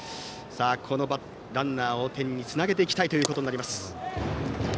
このランナーを点につなげたいということになります。